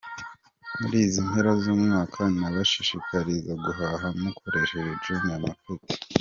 Muri izi mpera z'umwaka nabashishikariza guhaha mukoresheje Jumia Market.